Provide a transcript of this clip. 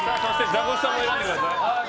ザコシさんも選んでください。